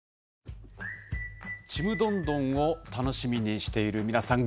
「ちむどんどん」を楽しみにしている皆さん。